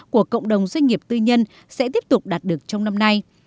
của cộng đồng doanh nghiệp tư nhân sẽ tiếp tục đạt được trong năm nay